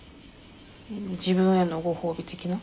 自分へのご褒美的な？